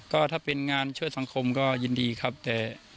ก็ถ้าเป็นงานช่วยสังคมก็ยินดีครับแต่